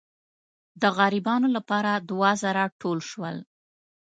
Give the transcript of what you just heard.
د غریبانو لپاره دوه زره ټول شول.